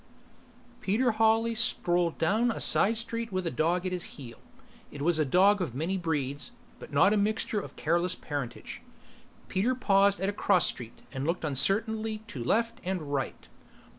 Peter Hawley strolled down a side street with a dog at his heel. It was a dog of many breeds, but not a mixture of careless parentage. Peter paused at a cross street and looked uncertainly to left and right.